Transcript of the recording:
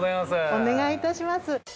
お願いいたします。